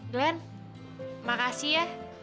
glenn makasih ya